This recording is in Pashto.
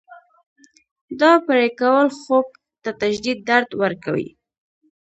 دا پرې کول خوک ته شدید درد ورکوي.